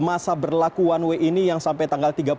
masa berlaku one way ini yang sampai tanggal tiga puluh